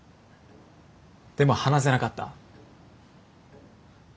でも話せなかった。